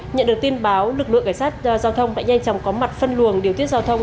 nhận được tin báo lực lượng cảnh sát giao thông đã nhanh chóng có mặt phân luồng điều tiết giao thông